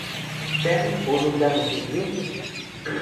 ¿Ten ou non ten o sitio?